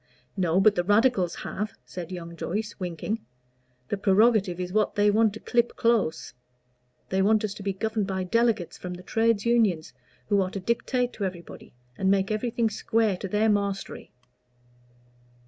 "No, but the Radicals have," said young Joyce, winking. "The prerogative is what they want to clip close. They want us to be governed by delegates from the trades unions, who are to dictate to everybody, and make everything square to their mastery."